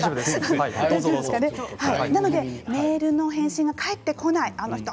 メールの返信が返ってこない。